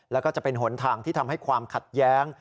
แล้วก็จะเป็นหนทางที่ทำให้ความขัดแย้ง